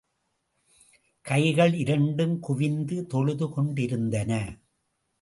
கைகள் இரண்டும் குவிந்து தொழுது கொண்டிருந்தன.